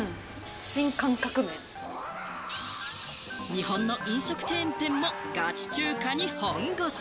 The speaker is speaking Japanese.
日本の飲食チェーン店もガチ中華に本腰。